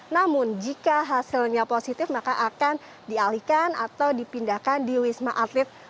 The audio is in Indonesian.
namun jika hasilnya positif maka akan dialihkan atau dipindahkan di wisma atlet